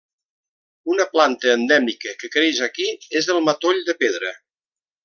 Una planta endèmica que creix aquí és el matoll de pedra.